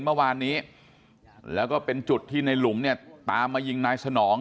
เมื่อวานนี้แล้วก็เป็นจุดที่ในหลุมเนี่ยตามมายิงนายสนอง